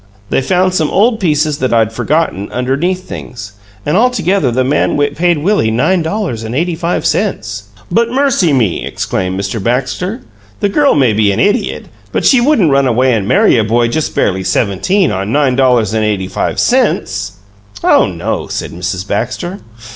They found some old pieces that I'd forgotten, underneath things, and altogether the man paid Willie nine dollars and eighty five cents." "But, mercy me!" exclaimed Mr. Baxter, "the girl may be an idiot, but she wouldn't run away and marry a boy just barely seventeen on nine dollars and eighty five cents!" "Oh no!" said Mrs. Baxter.